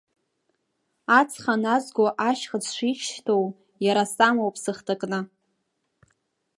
Ацха назго ашьхыц шишьҭоу, иара самоуп сыхҭакны.